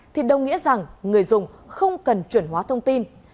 thì đồng nghĩa rằng người dùng không cần chuẩn hóa thông tin